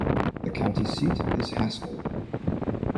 The county seat is Haskell.